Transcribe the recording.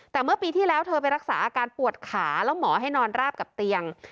แต่เมื่อปีที่แล้วเธอไปรักษาอาการปวดขาแล้วหมอให้นอนราบกับเตียง